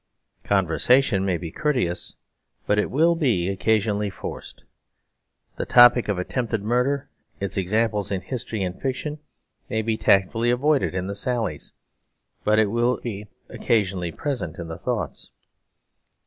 Conversation may be courteous, but it will be occasionally forced. The topic of attempted murder, its examples in history and fiction, may be tactfully avoided in the sallies; but it will be occasionally present in the thoughts.